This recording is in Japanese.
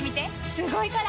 すごいから！